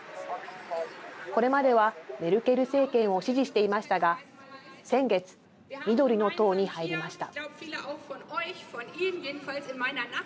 これまではメルケル政権を支持していましたが先月、緑の党に入りました。